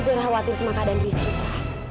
zahira khawatir sama keadaan rizky pak